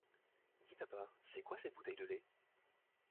Dis papa, c'est quoi cette bouteille de lait?